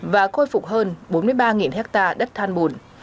và khôi phục hơn bốn mươi ba hectare đất than bùn